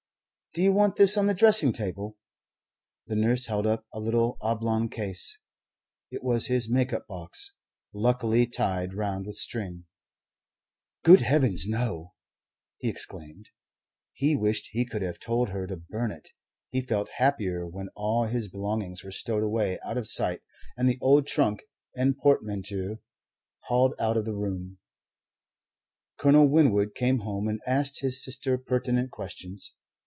"Do you want this on the dressing table?" The nurse held up a little oblong case. It was his make up box, luckily tied round with string. "Good heavens, no!" he exclaimed. He wished he could have told her to burn it. He felt happier when all his belongings were stowed away out of sight and the old trunk and portmanteau hauled out of the room. Colonel Winwood came home and asked his sister pertinent questions.